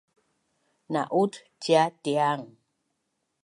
Na’ut cia Tiang